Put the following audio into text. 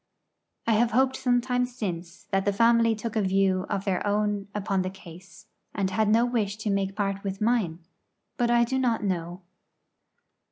I have hoped sometimes since that the family took a view of their own upon the case, and had no wish to make part with mine; but I do not know.